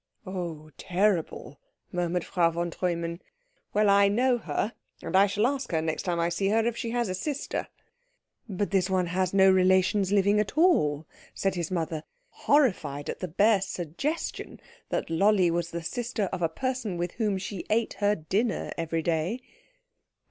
"Oh terrible," murmured Frau von Treumann. "Well, I know her; and I shall ask her next time I see her if she has a sister." "But this one has no relations living at all," said his mother, horrified at the bare suggestion that Lolli was the sister of a person with whom she ate her dinner every day.